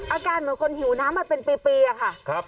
อาการเหมือนคนหิวน้ำมาเป็นปีอะค่ะ